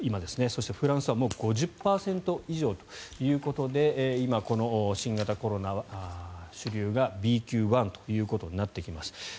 そしてフランスは今、５０％以上ということで今、新型コロナ主流がＢＱ．１ということになってきています。